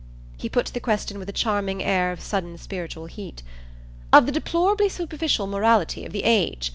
He put the question with a charming air of sudden spiritual heat. "Of the deplorably superficial morality of the age.